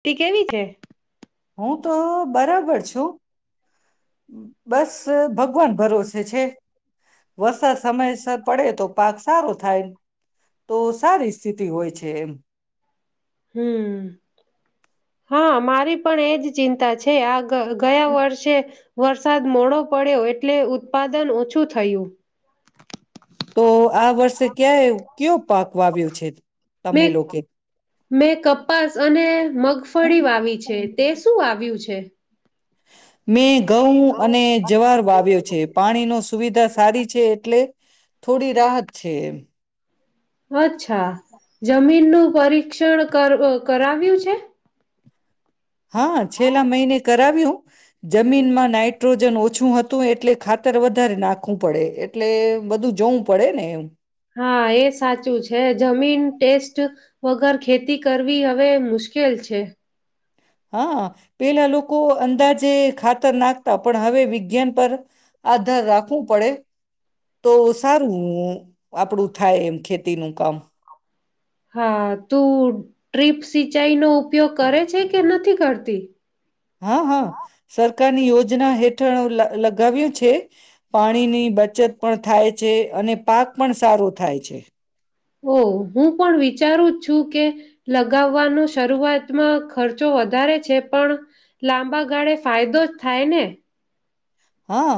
T કેવી છે હું તો બરાબર બસ ભગવાન ભરોસે છે વરસાદ સમયસર પડે તો પાક સારો થાય તો સારી સ્થિતિ હોય છે એમ હમ્મ હા મારી પણ એજ ચિંતા છે આ ગયા વર્ષે વરસાદ મોડો પડ્યો એટલે ઉત્પાદન ઓછું થયું તો આ વર્ષે ક્યા કયો પાક વાવ્યું છે તમે મેં લોકે મેં કપાસ અને મગફળી વાવી છે તે શું આવ્યું છે મેં ઘઉં અને જવાર વાવ્યો છે. પાણીનો સુવિધા સારી છે. એટલે થોડી રાહત છે. અચ્છા જમીનનું પરીક્ષણ કર કરાવ્યું છે. હા છેલ્લા મહિને કરાવ્યું. જમીન માં નાઇટ્રોજન ઓછ ઓછું હતું એટલે ખાતર વધારે નાખવું પડે. એટલે બધું જોવું પડે ને એમ. હા એ સાચું છે જમીન ટેસ્ટ. વગર ખેતી કરવી હવે મુશ્કેલ છે. હા પેલા લોકો અંદાજે ખાતર નાખતા, પણ હવે વિજ્ઞાન પર. આધાર રાખવું પડે. તો સારું આપડું થાય એમ ખેતીની. કમ. હા તું ટ્રીપ સિંચાઈ નો ઉપયોગ કરે છે કે નથી કરતી? હા હા. સરકારની યોજના હેઠ ઠણું લ લગાવ્યું છે. પાણીની બચત પણ થાય છે. અને પાક પણ સારો થાય છે. હો. હું પણ વિચારું જ છું કે લગાવવાનું શરૂઆતમાં ખર્ચો વધારે છે. પણ લાંબા ગાળે ફાયદો જ થાય ને. હા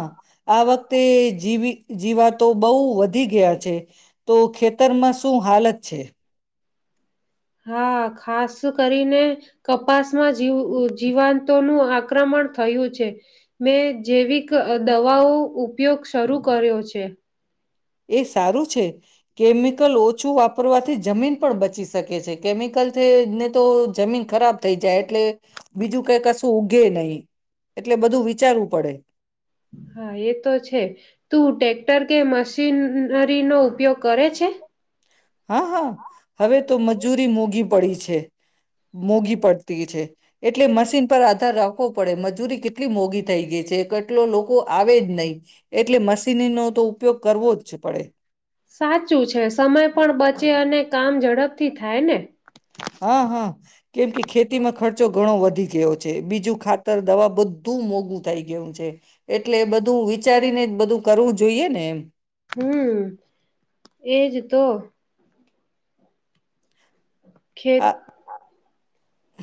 આ વખતે જીવી જીવાતો બઉ. વધી ગયા છે. તો ખેતરમાં શું હાલત છે. હા ખાસ કરીને કપાસ. મા જીવ જીવાંત તો નું આક્રમણ થયું છે. મેં જૈવિક દવાઓ ઉપયોગ શરૂ કર્યો છે. એ સારું છે. કેમિકલ ઓછું આપ વાપરવાથી જમીન પણ બચી શકે છે. કેમિકલ થી ને તો જમીન ખરાબ થઈ જાય એટલે. બીજું કઈ કશું ઊગે નહી. એટલે બધું વિચારવું પડે. હા એ તો છે તું ટેક્ટર કે મશીનરીનો ઉપયોગ કરે છે? હા, હા હવે તો મજૂરી મોઘી પડી છે. મોઘી પડતી છે. એટલે મશીન પર આધાર રાખવો પડે મજૂરી કેટલી મોઘી. થઈ ગઈ છે. કેટલો લોકો આવે જ નહી. એટલે મશીન ન તો ઉપયોગ કરવો જ છે પડે. સાચું છે સમય પણ બચે અને કામ ઝડપથી થાય ને. હા હા કેમ કે ખેતીમાં ખ ર્ચો ઘણો વધી ગયો છે બીજું ખાતર દવા બધું મોંઘું થઈ ગયું છે. એટલે બધું વિચારીને બધું કરવું જોઈએ ને એમ. હમ્મ એજ તો. ખેત આ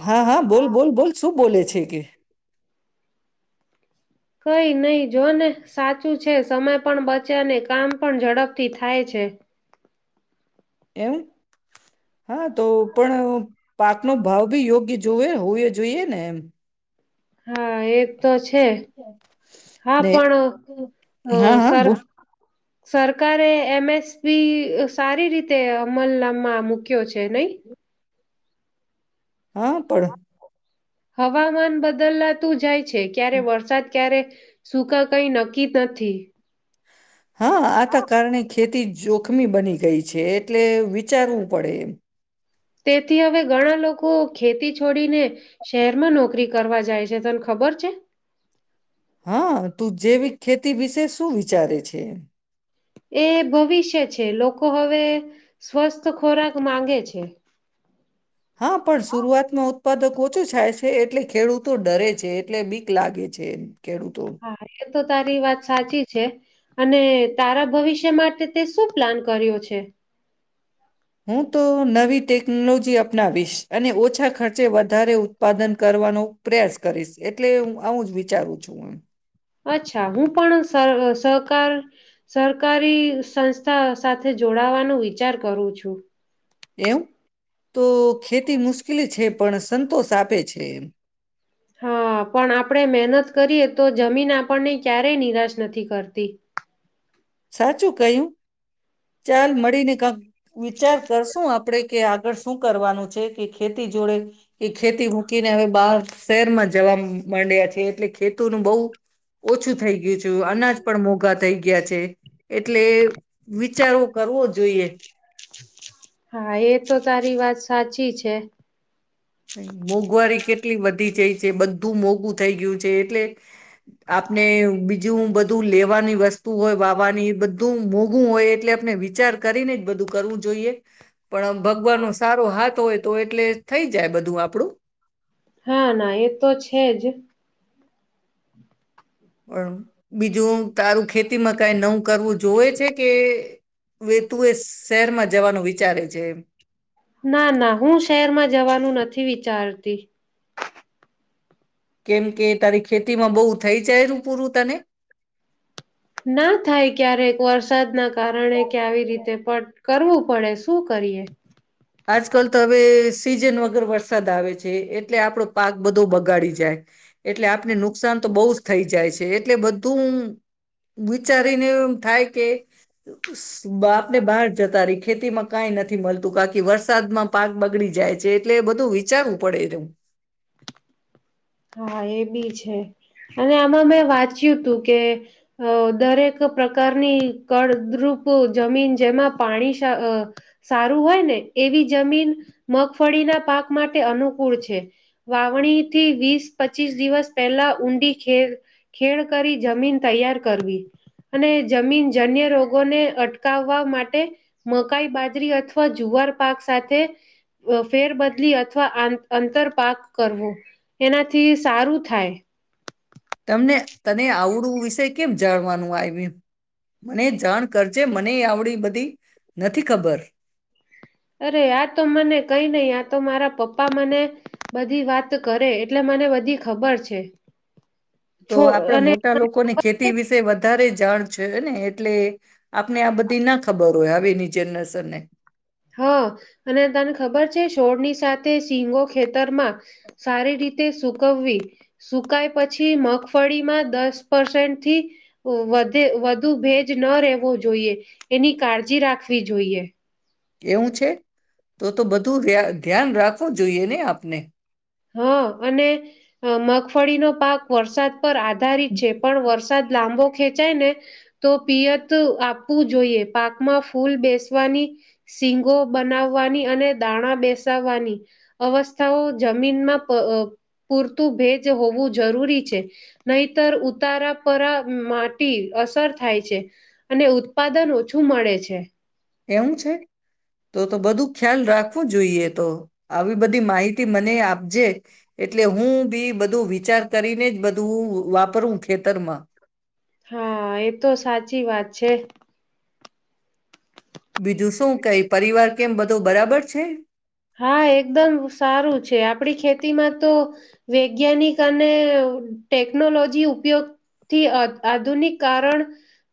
હા, હા, બોલ બોલ બોલ શું બોલે છે કે. કઈ નહી જો ને સાચું છે સમય પણ બચે અને કામ પણ ઝડપથી થાય છે. એમ હા તો પણ પાકનો ભાવ ભી યોગ્ય હોવો જોઈએ ને એમ. હા એ તો છે હા પણ અ હા હા સર બોલ સરકારે એમએસપી સારી રીતે અમલમાં મૂક્યો છે. નહી? હા પણ. હવામાન બદલા તું જાય. છે ક્યારે વરસાદ ક્યારે ક. સુૂકા કઈ નક્કી નથી. હા આતા કારણે ખેતી જોખમી બની ગઈ છે. એટલે વિચારવું પડે એમ. તેથી હવે ઘણા લોકો ખેતી છોડીને શહેરમાં નોકરી કરવા જાય છે. તન ખબર છે? હા તું જૈવિક ખેતી વિશે શું વિચારે છે. એ ભવિષ્ય છે. લોકો હવે સ્વસ્થ ખોરાક માંગે છે. હા પણ સરૂઆતમાં. ઉત્પાદકો ઓછું થાય છે. એટલે ખેડૂતો ડરે છે. એટલે બીક લાગે છે. ખેડૂતો હા એ તો તારી વાત સાચી છે. અને તારા ભવિષ્ય માટે તે શું? પ્લાન કર્યો છે. હું તો નવી ટેકનોલોજી અપનાવીશ અને ઓછા ખર્ચે વધારે ઉત્પાદન કરવાનો પ્રયાસ કરીશ એટલે હું આવું જ વિચારું છું આમ અચ્છા હું પણ સહકાર સરકારી સંસ્થા સાથે જોડાવાનો વિચાર કરું છું. એમ તો ખેતી મુશ્કેલી છે? પણ સંતોષ આપે છે એમ. હા પણ આપણે મહેનત કરીએ તો જમીન આપણને ક્યારેય નિરાશ નથી કરતી. સાચું કહ્યું ચાલ મળીને કઈ કવિચાર કરશું આપડે કે આગળ શું કરવાનું છે. કે ખેતી જોડે એ ખેતી મૂકીને હવે બહાર શહેરમાં જ જવા માંડ્યા છે. એટલે? ખેતુ નું બહુ ઓછું થઈ ગયું છેું અનાજ પણ મોઘા થઈ ગયા છે એટલે વિચારો કરવો જોઈએ હા એ તો તારી વાત સાચી છે મોંઘવારી કેટલી બધી જઈ. જે બધું મોઘું થઈ ગયું છે એટલે આપને બીજું બધું લેવાની વસ્તુ હોય વાવાની બધું મોઘું હોય એટલે આપને વિચાર કરીને જ બધું કરવું જોઈએ? પણ ભગવાન નો સારો હાથ હોય [inaudible] [unintelligible] તો એટલે થઈ જ. ત્યાં બધું આપડું? હા ના એ તો છે જ. ળ બીજું. તારું ખેતી મ કઈ નવું કરવું જોવે છે કે. વે તુએ શહેરમાં જવાનું વિચારે છે. ના, ના હું શહેરમાં જવાનું નથી વિચારતી. કેમ કે તારી ખેતીમાં બહુ થઈ જાયનું પૂરું તને. ના થાય ક્યારેક વરસાદ ના કારણે કે આવી રીતે પણ કરવું પડે શું કરીએ. આજકાલ તો હવે સીઝન વગર વરસાદ આવે છે. એટલે આપડો પાક બધો બગાડી જાય એટલે આપને નુકસાન તો બહુ જ થઈ જાય છે એટલે બધું વિચારીને એમ થાય કે તો સ આપને બહાર જતા રહી ખેતીમાં કઈ નથી મળતું ક કે વરસાદમાં પાક બગડી જાય છે. એટલે બધું વિચારવું પડે એને. હા એ બી છે અને આમાં મેં વાંચ્યું તું કે દરેક પ્રકારની કળદ્રુપ જમીન જેમાં પાણી સા સારું હોય ને એવી જમીન મગફળીના પાક માટે અનુકૂળ છે. વાવણી થી વીસ પચીસ દિવસ પહેલા ઊંડી ખે ખેણ કરી જમીન તૈયાર કરવી અને જમીન જન્ય રોગોને અટકાવવા માટે મકાઈ બાજરી અથવા જુવાર પાક સાથે ફેરબદલી અથવા અંતર પાક કરવો. એનાથી સારું થાય. તમને તને આવડું વિષ કેમ જાળવાનું આવી્યું. મને જાણ કરજે મ ની આવડી બધી નથી ખબર અરે આ તો મને કઈ નહી આ તો મારા પપ્પા મને બધી વાત કરે એટલે મને બધી ખબર છે. તો છો આપડે અને મોટા લોકોને ખબર છે? ખેતી વિશે વધારે જાણ છે ને એટલે આપણે આપથી ના ખબર. ધોયા બી નીચેનેસર ને હા અને તને ખબર છે છોડની સાથે શીંગો ખેતરમાં સારી રીતે સુકવવી સુકાય પછી મગફળીમાં દસ પસેન્ટથી વધે વધુ ભેજ ન રહેેવો જોઈએ એની કાળજી રાખવી જોઈએ. કેવું છે તો તો બધું વ્ય ધ્યાન રાખવું જોઈએ ને આપને. હા અને મગફળીનો પાક વરસાદ પર આધારિત છે. પણ વરસાદ લાંબો ખેચ ચાયને તો પિયત આપવું જોઈએ પાકમાં ફૂલ બેસવાની સીંગો બનાવવાની અને દાણા બેસાવવાની અવસ્થાઓ જ મીનમાં પ પૂરતું ભેજ હોવું જરૂરી છે. નહીતર ઉતારાપરા માટેટી અસર થાય છે અને ઉત્પાદન ઓછું મળે છે. એવું છે તો તો બધું ખ્યાલ રાખવું જોઈએ તો આવી બધી માહિતી મને આપજે. એટલે હું બી બધું વિચાર કરીને જ બધું વાપરું ખેતરમાં. હા એતો સાચી વાત છે. બીજું શું કઈ પરિવાર કેમ બધું બરાબર છે. હા એકદમ સારું છે આપણી ખેતીમાં તો વૈજ્ઞાનિક અને ટેકનોલોજી ઉપયોગથી આધુનિક કારણ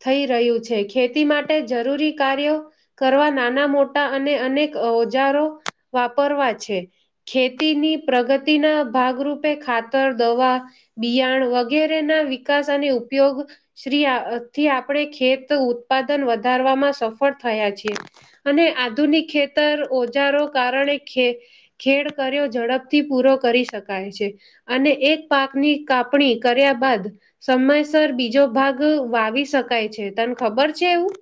થઈ રહ્યું છે ખેતી માટે જરૂરી કાર્યો કરવા નાના મોટા અને અનેક ઓજારો વાપરવા છે. ખેતીની પ્રગતિના ભાગરૂપે ખાતર દવા બિયાણ વગેરે ના વિકાસ અને ઉપયોગ શ્રી થી આપણે ખેત ઉત્પાદન વધારવામાં સફળ થયા છીએ. અને આધુનિક ખેતર ઓજારો કારણે ખે ખેડ કર્યો ઝડપથી પૂરો કરી શકાય છે. અને એક પાકની કાપણી કર્યા બાદ સમયસર બીજો ભાગ વાવી શકાય છે. તને ખબર છે એવું?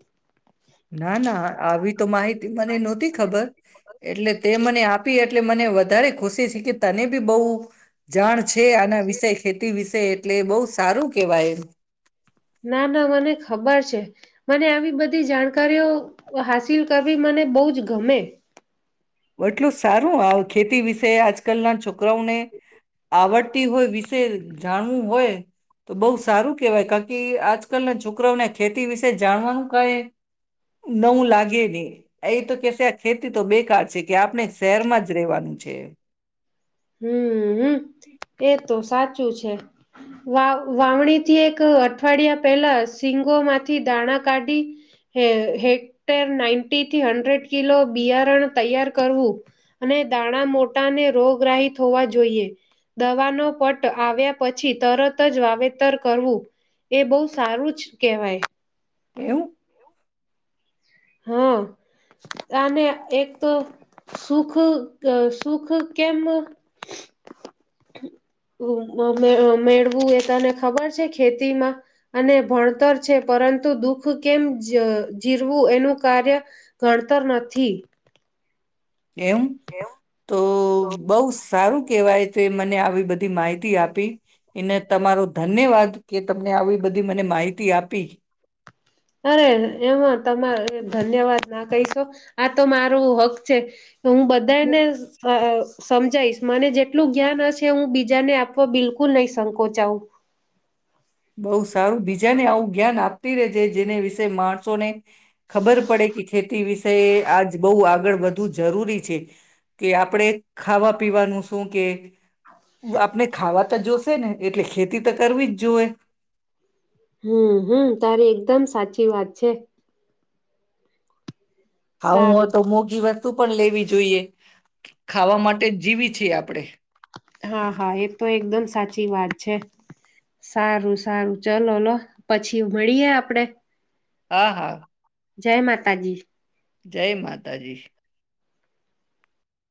ના ના આવી તો માહિતી મને નહોતી ખબર. એટલે તે મને આપી એ એટલે મને વધારે ખુશી છે કે તને બી બહુ. જાણ છે આના વિષય ખેતી વિ તે એટલે બહુ સારું કેવાય. ના ના મને ખબર છે મને આવી બધી જાણકારીઓ હાસિલ કરવી મને બહુ જ ગમે. એટલું સારું ખેતી વિશે આજકાલના છોકરાઓને આવડતી હોય વિશે જાણવું હોય તો બહુ સારું કેહેવાય કારકી આજકાલના છોકરાઓને ખેતી વિશે જાણવાનું કહે નવું લાગે ને. એ તો કેશે આ ખેતી તો બેકાર છે. કે આપણે શહેરમાં જ રેવાનું છે. હમ્મ હમ્મ એ તો સાચું છે. વા વાવણીથી એક અઠવાડિયા પહેલા સિંગોમાંથી દાણા કાઢી હે હેક્ટર નાઈન્ટીથી હડ્રેડ કિલો બિયારણ તૈયાર કરવું અને દાણા મોટાને રોગ ગ્રાહિત હોવા જોઈએ. દવાનો પટ આવ્યા પછી તરત જ વાવેતર કરવું એ બહુ સારું જ કહેવાય. એવું. હા આને એક તો સુખુ ક સુખ કેમ મ મે મેળવું એ તને ખબર છે ખેતીમાં અને ભણતર છે પરંતુ દુઃખ કેમ જીરવું એનું કાર્ય ગણતર નથી. એમ તો બઉ સારું કહેવાય છે મને આવી બધી માહિતી આપી એને તમારો ધન્યવાદ કે તમને આવી બધી મને માહિતી આપી. અરે એમાં તમારે ધન્યવાદ. ના કહીશો આ તો મારું હક છે. તો હું બધાને અ સમજાઈશ મને જેટલું જ્ઞાન હશે હું બીજાને આપવા બિલકુલ નહી સંકોચઆવું. બઉુ સારું બીજા ને આવું ધ્યાન આપતી રેજે. જેને વિશે માણસોને ખબર પડે કે ખેતી વિશે આજ બહુ આગળ વધ ધુ જરૂરી છે. કે આપણેે ખાવા પીવાનું શું કે હ [inaudible] આપને ખાવાતા જોશે ને એટલે ખેતી તો કરવી જ જુવે. હમ્મ હમ્મ તારી એકદમ સાચી વાત છે. હા હું હો સારું તો મોઘી વ તો પણ લેવી જોઈએ. ખાવા માટે જીવી એ છીએ આપણે. આપણે. હા હા એ તો એકદમ સાચી વાત છે સારું સારું ચલો લો પછી મળીએે આપડે. હા હા. જય માતાજી. જય માતાજી.